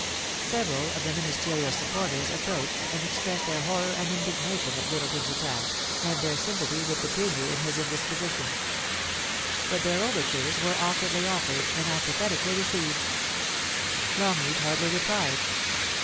Sevenl of the Ministerial supporters approached and expressed thdr horror and indignation at Middleton's attack, and their sym pathy with the Premier in his indisposition. But their over tures were awkwardly offered and apathetically received Longleat hardly replied.